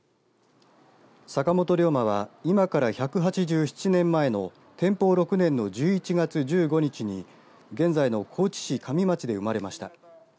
坂本龍馬は今から１８７年前の天保６年の１１月１５日に現在の高知市上町で生まれました。